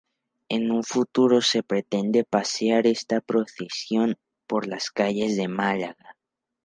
En un futuro se pretende pasear esta procesión por las calles de Málaga.